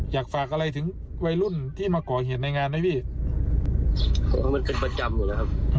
อยากฝากอะไรถึงวัยรุ่นที่มาก่อเหตุในงานไหมพี่เออมันเป็นประจำอยู่แล้วครับ